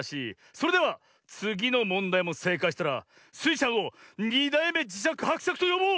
それではつぎのもんだいもせいかいしたらスイちゃんを「２だいめじしゃくはくしゃく」とよぼう！